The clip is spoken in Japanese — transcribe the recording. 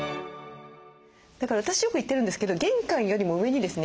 だから私よく言ってるんですけど玄関よりも上にですね